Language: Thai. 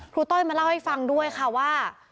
ต้อยมาเล่าให้ฟังด้วยค่ะว่า